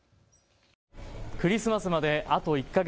クリスマスまであと１か月。